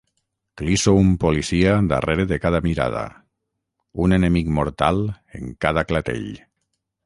Clisso un policia darrere de cada mirada, un enemic mortal en cada clatell.